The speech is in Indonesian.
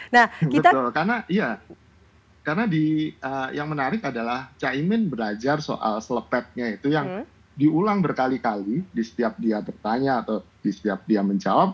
betul karena iya karena yang menarik adalah caimin belajar soal slepetnya itu yang diulang berkali kali di setiap dia bertanya atau di setiap dia menjawab